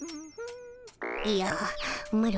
いやマロ